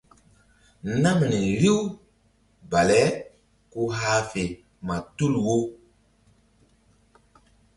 Namri riw bale ku hah fe ma tul wo.